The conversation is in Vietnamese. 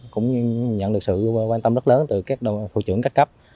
cũng nhận được sự quan tâm rất lớn từ các thủ trưởng các cấp